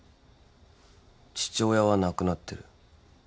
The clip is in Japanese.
父親は亡くなってる。